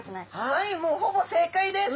はいもうほぼ正解です。